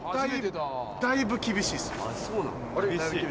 だいぶ厳しいっす。